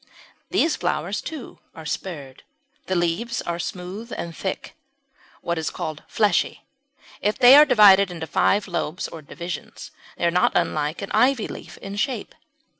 These flowers too are spurred. The leaves are smooth and thick what is called fleshy. They are divided into five lobes or divisions, and are not unlike an ivy leaf in shape.